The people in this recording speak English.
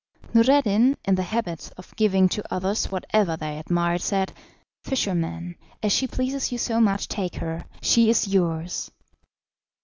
Noureddin, in the habit of giving to others whatever they admired, said, "Fisherman, as she pleases you so much, take her; she is yours."